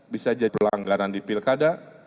bisa jadi pelanggaran di pilkada